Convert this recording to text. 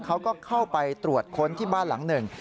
เขาก็เข้าไปตรวจค้นที่บ้านหลังหนึ่ง